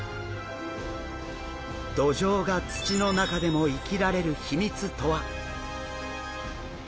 ドジョウが土の中でも生きられる秘密とは？